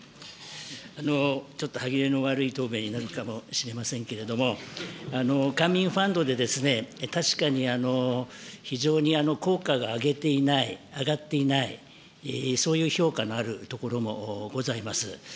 ちょっと歯切れの悪い答弁になるかもしれませんけれども、官民ファンドで確かに非常に効果が上げていない、上がっていない、そういう評価のあるところもございます。